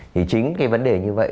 thì chính cái vấn đề như vậy